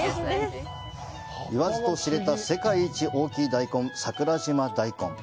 言わずと知れた、世界一大きい大根、桜島大根。